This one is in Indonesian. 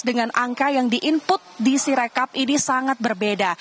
dengan angka yang di input di sirekap ini sangat berbeda